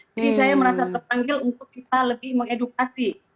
saya merasa terpanggil untuk bisa lebih mengedukasi